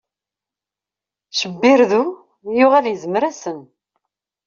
Cbirdu yuɣal izmer-asen.